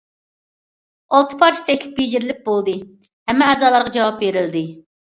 ئالتە پارچە تەكلىپ بېجىرىلىپ بولدى ھەم ئەزالارغا جاۋاب بېرىلدى.